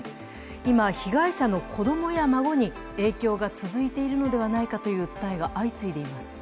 今、被害者の子供や孫に影響が続いているのではないかという訴えが相次いでいます。